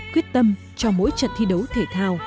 quyết tâm cho mỗi trận thi đấu thể thao